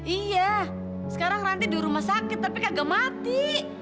iya sekarang ranti di rumah sakit tapi kagak mati